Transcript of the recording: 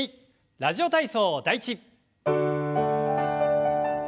「ラジオ体操第１」。